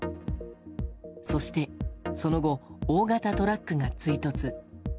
そして、その後大型トラックが追突。